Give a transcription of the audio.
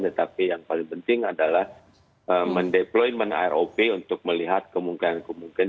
tetapi yang paling penting adalah mendeployment rop untuk melihat kemungkinan kemungkinan